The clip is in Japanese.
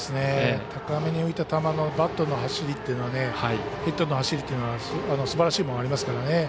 高めに浮いた球のバットの走りヒットの走りというのはすばらしいものがありますからね。